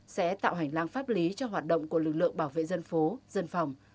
sẽ tạo hành lang pháp lý cho hoạt động của lực lượng bảo vệ dân phố dân phòng